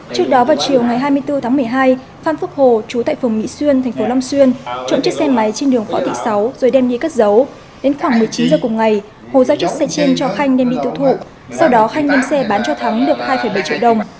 trước đó vào chiều ngày hai mươi bốn tháng một mươi hai phan phúc hồ chú tại phường mỹ xuyên tp long xuyên trộn chiếc xe máy trên đường khóa tỵ sáu rồi đem đi cất giấu đến khoảng một mươi chín h cùng ngày hồ ra chiếc xe chiên cho khanh đem đi tiêu thụ sau đó khanh đem xe bán cho thắng được hai bảy triệu đồng